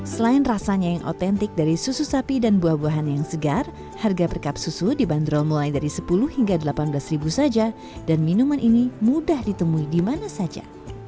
selain rasanya yang otentik dari susu sapi dan buah buahan yang segar harga per kap susu dibanderol mulai dari sepuluh hingga delapan belas ribu saja dan minuman ini mudah ditemui di mana saja